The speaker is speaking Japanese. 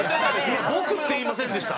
今「僕」って言いませんでした？